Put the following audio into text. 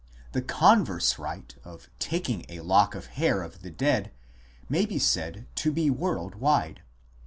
The converse rite of taking a lock of hair of the dead may be said to be world wide.